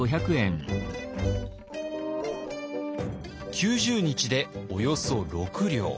９０日でおよそ６両。